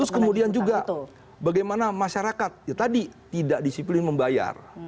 kemudian juga bagaimana masyarakat tadi tidak disiplin membayar